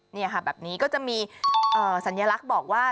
นี่ค่ะแบบนี้ก็จะมีสัญลักษณ์บอกว่า